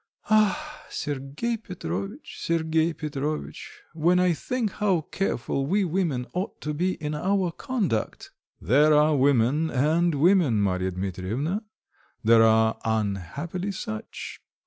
"Ah, Sergei Petrovitch, Sergei Petrovitch, when I think how careful we women ought to be in our conduct!" "There are women and women, Marya Dmitrievna. There are unhappily such